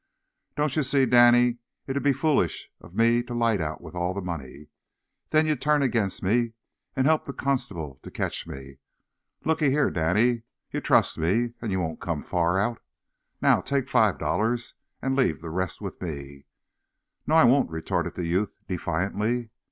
"Don't ye see, Danny, it'd be foolish of me to light out with all the money? Then ye'd turn against me, an' help the constables to catch me. Looky here, Danny, you trust me, an' ye won't come far out. Now, take five dollars, an' leave the rest with me." "No, I won't," retorted that youth, defiantly.